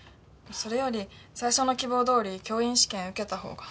それより最初の希望どおり教員試験受けた方が。